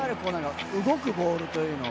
動くボールというのを。